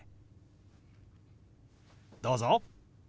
どうぞ。